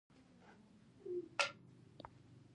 توپک او کارتوس ورکړل.